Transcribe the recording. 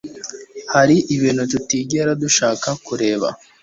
hariho ibintu tutigera dushaka kureka